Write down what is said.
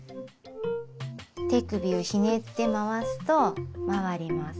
手首をひねって回すと回ります。